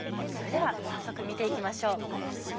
それでは早速見ていきましょう。